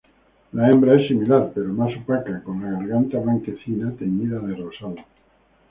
La hembra es similar, pero más opaca, con la garganta blanquecina teñida de rosado.